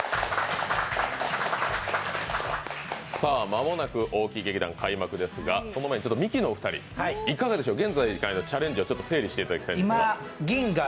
間もなく大木劇団、開幕ですが、その前にミキの２人、いかがでしょう、現在のチャレンジを整理していただきたいんですが。